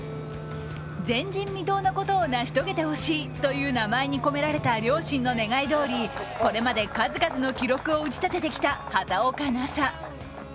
前人未到のことを成し遂げてほしいという名前に込められた両親の願いどおりこれまで数々の記録を打ち立ててきた畑岡奈紗。